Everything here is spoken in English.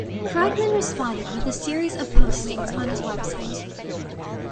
Krugman responded with a series of postings on his website.